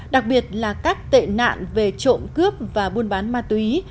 đặc biệt là các tệ nạn về trộm cướp và buôn bán ma túy